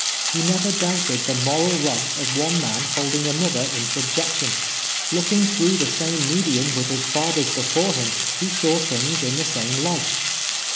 He never doubted the moral right of one man holding another in subjecticm. Looking througli the same medium witli his fathers before him, he saw things in the same light.